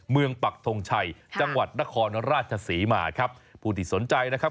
ปักทงชัยจังหวัดนครราชศรีมาครับผู้ที่สนใจนะครับ